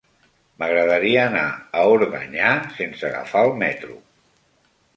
M'agradaria anar a Organyà sense agafar el metro.